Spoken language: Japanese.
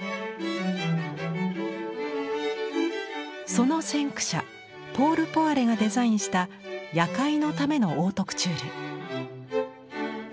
その先駆者ポール・ポワレがデザインした夜会のためのオートクチュール。